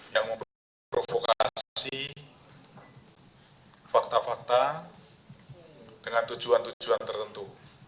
yang memprovokasi fakta fakta dengan tujuan tujuan tertentu